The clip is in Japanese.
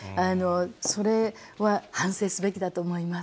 それは反省すべきだと思います。